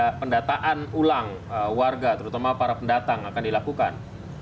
apakah pendataan ulang warga terutama para pendatang akan dilakukan